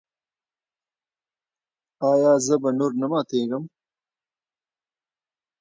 ایا زه به نور نه ماتیږم؟